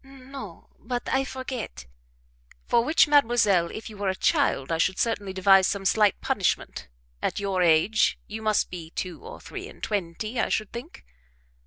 "No but I forget " "For which, mademoiselle, if you were a child I should certainly devise some slight punishment; at your age you must be two or three and twenty, I should think?"